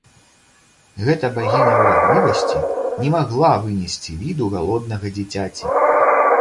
Гэта багіня ўрадлівасці не магла вынесці віду галоднага дзіцяці.